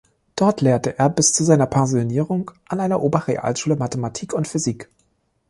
Dort lehrte er bis zu seiner Pensionierung an einer Oberrealschule Mathematik und Physik.